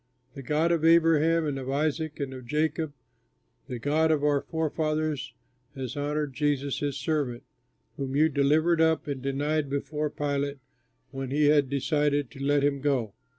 The God of Abraham and of Isaac and of Jacob, the God of our forefathers, has honored Jesus his servant, whom you delivered up and denied before Pilate when he had decided to let him go.